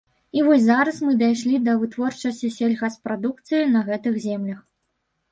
І вось зараз мы дайшлі да вытворчасці сельгаспрадукцыі на гэтых землях.